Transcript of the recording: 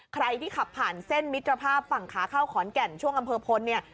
ใครที่ขับผ่านเส้นมิตรภาพฝั่งขาเข้าขอนแก่นช่วงอำเภอพลเนี่ย